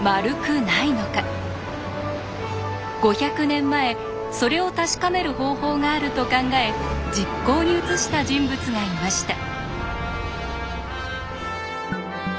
５００年前それを確かめる方法があると考え実行に移した人物がいました。